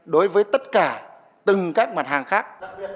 đối với tất cả từng các mặt hàng khác